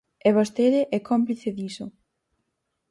E vostede é cómplice diso.